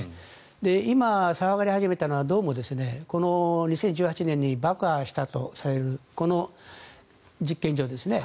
今、騒がれ始めたのはどうも２０１８年に爆破したとされるこの実験場ですね。